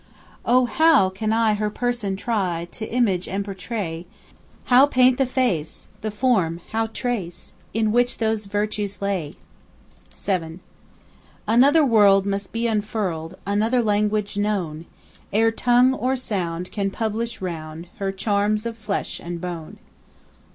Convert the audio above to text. Oh how can I her person try To image and portray? How paint the face, the form how trace In which those virtues lay? 7. Another world must be unfurled, Another language known, Ere tongue or sound can publish round Her charms of flesh and bone.